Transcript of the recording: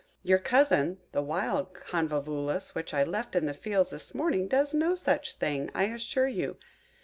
Your cousin, the wild Convolvulus, whom I left in the fields this morning, does no such thing, I assure you.